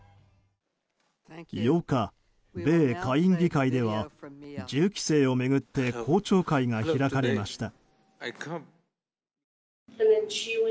８日、米下院議会では銃規制を巡って公聴会が開かれました。